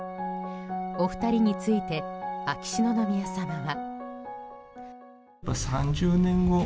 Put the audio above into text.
お二人について秋篠宮さまは。